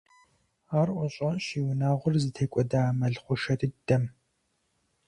Ар ӀущӀащ и унагъуэр зытекӀуэда а мэл хъушэ дыдэм.